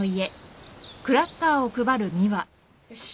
よし。